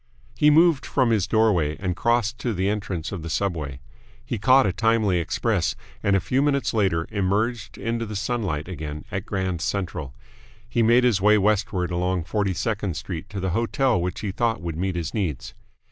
He moved from his doorway and crossed to the entrance of the subway. He caught a timely express, and a few minutes later emerged into the sunlight again at Grand Central. He made his way westward along Forty second Street to the hotel which he thought would meet his needs.